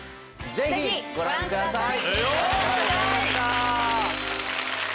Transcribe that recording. ぜひご覧ください。